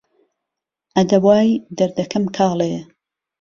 ئه دهوای دهردهکهم کاڵێ